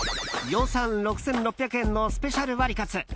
予算６６００円のスペシャルワリカツ。